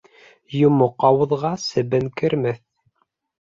Йомоҡ ауыҙға себен кермәҫ.